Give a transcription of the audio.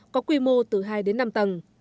có quy mô từ hai đến năm tầng